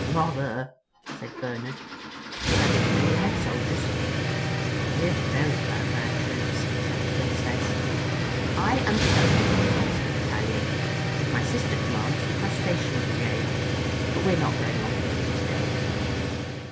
"Rather," said Bernard, "but I didn't know you had soldiers." "We're very proud of our troops," said the Princess. "I am Colonel of the Lobster Battalion, and my sister commands the Crustacean Brigade; but we're not going on parade today."